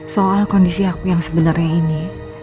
soal kondisi aku yang sebenarnya ini